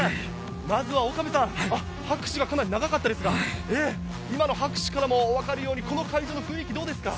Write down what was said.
まずは岡部さん、拍手がかなり長かったですが、拍手からもわかるように、この会場の雰囲気どうですか？